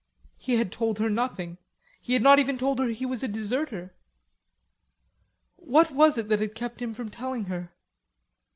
He had told her nothing. He had not even told her he was a deserter. What was it that had kept him from telling her?